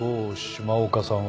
島岡さん